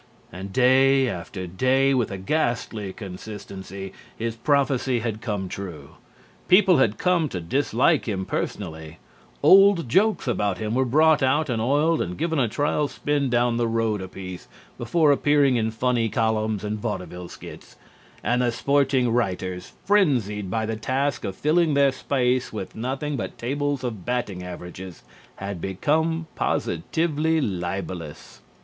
And day after day, with a ghastly consistency, his prophecy had come true. People had come to dislike him personally; old jokes about him were brought out and oiled and given a trial spin down the road a piece before appearing in funny columns and vaudeville skits, and the sporting writers, frenzied by the task of filling their space with nothing but tables of batting averages, had become positively libellous.